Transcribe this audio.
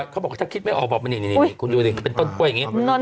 เขาบอกว่าถ้าคิดไม่ออกมันอยู่เป็นต้นปล่วยหรอคุณโดย